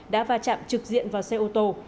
đã va chạm trực diện vào xe ô tô